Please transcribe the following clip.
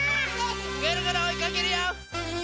ぐるぐるおいかけるよ！